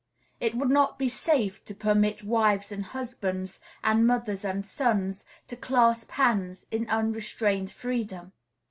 It would not be safe to permit wives and husbands, and mothers and sons, to clasp hands in unrestrained freedom.